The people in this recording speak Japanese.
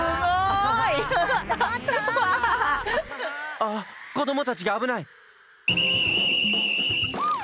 あっこどもたちがあぶない！